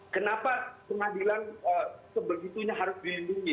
kenapa pengadilan sebegitunya harus dilindungi